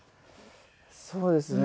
そうですね。